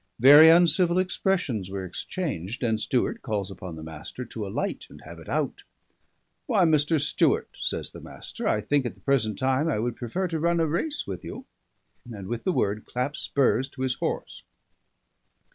Very uncivil expressions were exchanged and Stewart calls upon the Master to alight and have it out. "Why, Mr. Stewart," says the Master, "I think at the present time I would prefer to run a race with you." And with the word claps spurs to his horse.